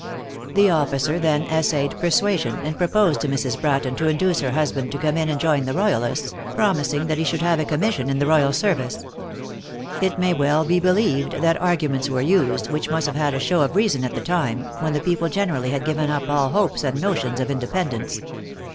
The officer then essayed persuasion, and proposed to Mrs. Bratton to induce her husband to come in and join the royalists, promising that he should have a commission in the royal service. It may well be believed that arguments were used, which must have had a show of reason at the time, when the people generally had given up all hopes and notions of independence.